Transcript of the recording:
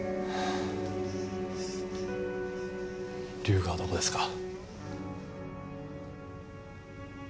龍河はどこですか？